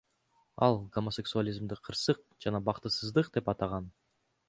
Ал гомосексуализмди кырсык жана бактысыздык деп атаган.